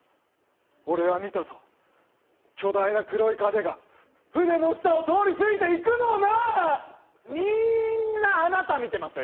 俺は見たぞ巨大な黒い影が船の下を通りすぎていくのをな！みーんなあなた見てますよ